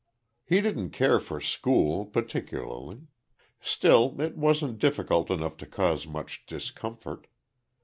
He didn't care for school, particularly; still, it wasn't difficult enough to cause much discomfort.